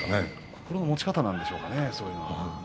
心の持ち方なんでしょうかね。